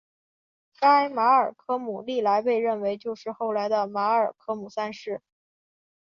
该马尔科姆历来被认为就是后来的马尔科姆三世。